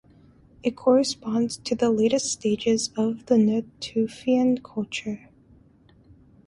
It corresponds to the latest stages of the Natufian culture.